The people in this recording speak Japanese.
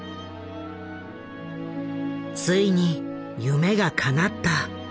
ついに夢がかなった。